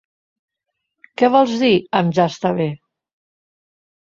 Què vols dir amb "ja està bé"?